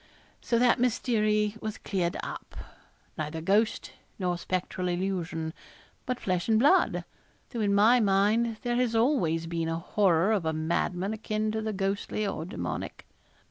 So that mystery was cleared up. Neither ghost nor spectral illusion, but flesh and blood though in my mind there has always been a horror of a madman akin to the ghostly or demoniac.